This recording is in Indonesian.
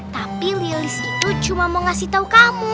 tapi lilis itu cuma mau ngasih tahu kamu